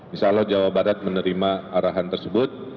insya allah jawa barat menerima arahan tersebut